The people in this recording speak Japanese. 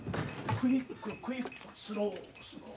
クイッククイックスロースロー。